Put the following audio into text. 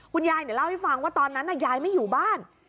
คุณยายเล่าให้ฟังว่าตอนนั้นยายไม่อยู่บ้าน